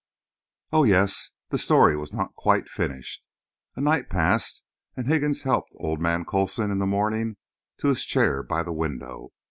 Oh, yes, the story was not quite finished. A night passed, and Higgins helped old man Coulson in the morning to his chair by the window.